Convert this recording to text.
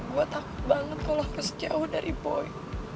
gue takut banget kalau harus jauh dari boy